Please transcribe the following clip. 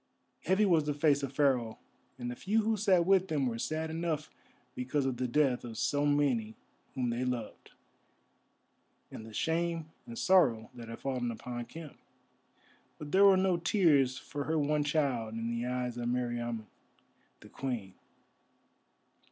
Heavy was the face of Pharaoh, and the few who sat with him were sad enough because of the death of so many whom they loved, and the shame and sorrow that had fallen upon Khem. But there were no tears for her one child in the eyes of Meriamun the Queen.